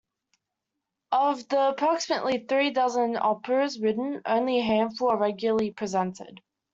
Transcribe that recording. Of the approximately three dozen operas written, only a handful are regularly presented.